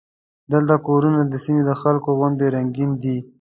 دلته کورونه د سیمې د خلکو غوندې رنګین دي.